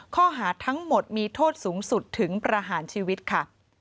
ข้อหาทั้งหมดมีโทษสูงสุดถึงประหารชีวิตค่ะ